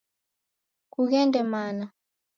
Kughende mana!